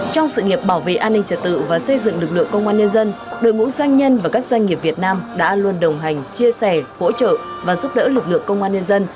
trong sự nghiệp bảo vệ an ninh trật tự và xây dựng lực lượng công an nhân dân đội ngũ doanh nhân và các doanh nghiệp việt nam đã luôn đồng hành chia sẻ hỗ trợ và giúp đỡ lực lượng công an nhân dân